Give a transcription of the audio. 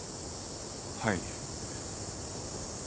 はい。